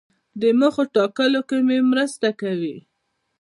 د موخې ټاکلو کې مو مرسته کوي.